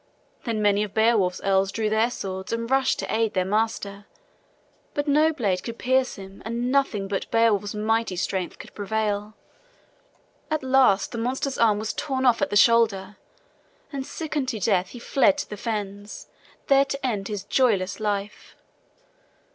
Then many of Beowulf's earls drew their swords and rushed to aid their master; but no blade could pierce him and nothing but Beowulf's mighty strength could prevail. At last the monster's arm was torn off at the shoulder, and sick unto death, he fled to the fens, there to end his joyless life.